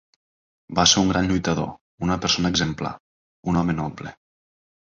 Va ser un gran lluitador, una persona exemplar, un home noble.